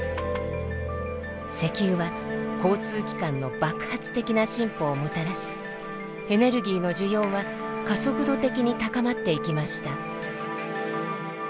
石油は交通機関の爆発的な進歩をもたらしエネルギーの需要は加速度的に高まっていきました。